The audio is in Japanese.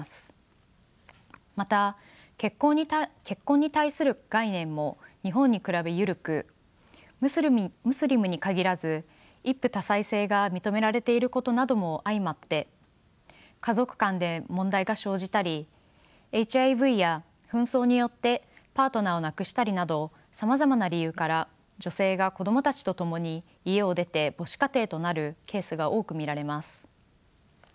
また結婚に対する概念も日本に比べ緩くムスリムに限らず一夫多妻制が認められていることなども相まって家族間で問題が生じたりＨＩＶや紛争によってパートナーを亡くしたりなどさまざまな理由から女性が子供たちと共に家を出て母子家庭となるケースが多く見られます。